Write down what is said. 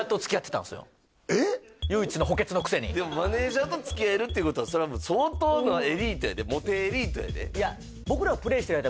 唯一の補欠のくせにでもマネージャーとつきあえるってことはそれはもう相当なエリートやでモテエリートやでいや